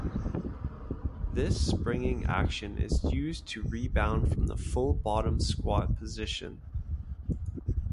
This springing action is used to rebound from the full bottom squat position.